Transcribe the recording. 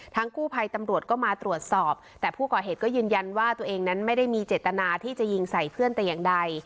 กู้ภัยตำรวจก็มาตรวจสอบแต่ผู้ก่อเหตุก็ยืนยันว่าตัวเองนั้นไม่ได้มีเจตนาที่จะยิงใส่เพื่อนแต่อย่างใด